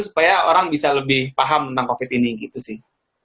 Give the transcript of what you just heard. supaya orang bisa lebih paham tentang covid ini gitu sih